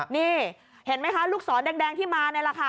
นี่เห็นไหมคะลูกศรแดงที่มานี่แหละค่ะ